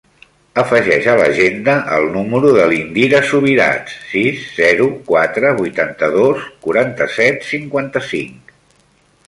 Afegeix a l'agenda el número de l'Indira Subirats: sis, zero, quatre, vuitanta-dos, quaranta-set, cinquanta-cinc.